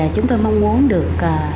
chúng tôi mong muốn được